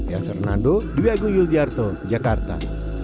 yathar nando duyagung yuldiarto jakarta